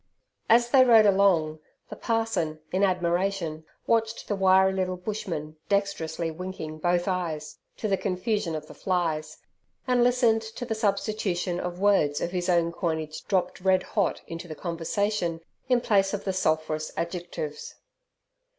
As they rode along, the parson in admiration watched the wiry little bushman dexterously winking both eyes to the confusion of the flies, and listened to the substitution of words of his own coinage dropped red hot into the conversation in place of the sulphurous adjectives.